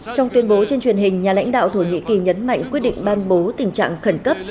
trong tuyên bố trên truyền hình nhà lãnh đạo thổ nhĩ kỳ nhấn mạnh quyết định ban bố tình trạng khẩn cấp